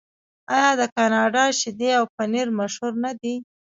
آیا د کاناډا شیدې او پنیر مشهور نه دي؟